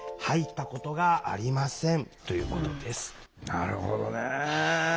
なるほどねえ。